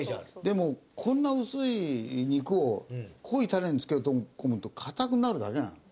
でもこんな薄い肉を濃いタレに漬け込むと硬くなるだけなの。